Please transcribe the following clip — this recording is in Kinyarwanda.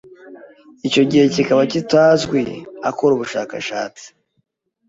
icyo gihe kikaba kitazwi akora ubushakashatsi